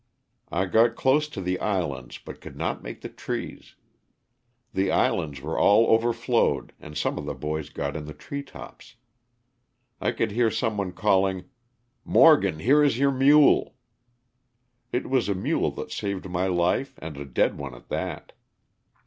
I got close to the islands but could not make the trees. The islands were all overflowed and some of the boys got in the tree tops. I could hear someone calling ''Morgan, here is your mule." It was a mule that saved my life and a dead one at that.